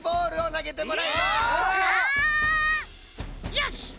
よし！